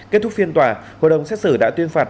kết thúc phiên tòa hội đồng xét xử đã tuyên phạt